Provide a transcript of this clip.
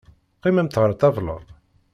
Qqimemt ɣer ṭṭabla.